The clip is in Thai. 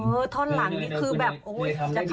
เออท่อนหลังนี้คือแบบ